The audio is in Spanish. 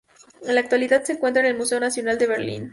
En la actualidad se encuentra en el Museo Nacional de Berlín.